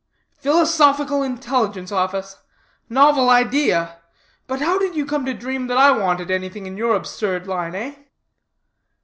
"'Philosophical Intelligence Office' novel idea! But how did you come to dream that I wanted anything in your absurd line, eh?"